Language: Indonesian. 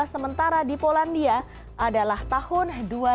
sementara di polandia adalah tahun dua ribu dua